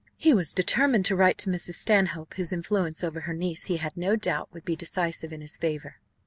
He was determined to write to Mrs. Stanhope, whose influence over her niece he had no doubt would be decisive in his favour.